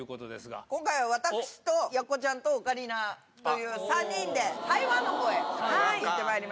今回は私とやっこちゃんとオカリナという３人で台湾のほうへ行ってまいりましたね。